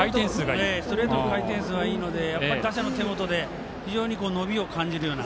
ストレートの回転数がいいので打者の手元で非常に伸びを感じるような。